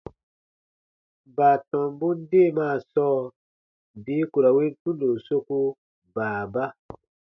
Baatɔmbun deemaa sɔɔ bii ku ra win tundo soku baaba.